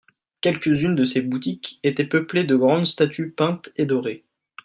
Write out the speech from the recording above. Quelques-unes de ces boutiques etaient peuplées de grandes statues peintes et dorées.